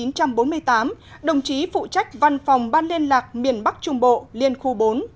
năm một nghìn chín trăm bốn mươi tám đồng chí phụ trách văn phòng ban liên lạc miền bắc trung bộ liên khu bốn